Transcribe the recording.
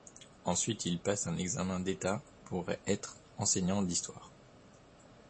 Ensuite, il passe un examen d'État pour être enseignant d'histoire.